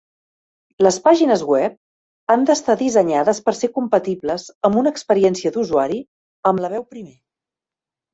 Les pàgines web han d'estar dissenyades per ser compatibles amb una experiència d'usuari amb la veu primer.